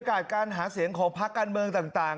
บรรยากาศการหาเสียงของภาคการเมืองต่างต่าง